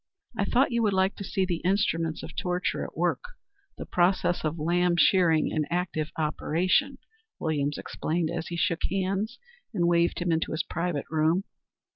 "I thought you would like to see the instruments of torture at work the process of lamb shearing in active operation," Williams explained as he shook hands and waved him into his private room.